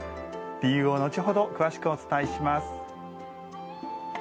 理由を後ほど詳しくお伝えします。